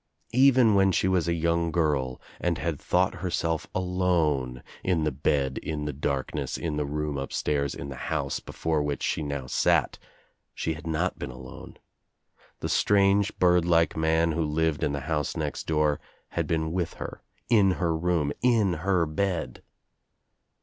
Even when she was a young girl and had thought herself alone in the bed in the darkness In the room upstairs in the house be fore which she now sat, she had not been alone. The strange bird like man who lived in the house next door had been with her, in her room, in her bed.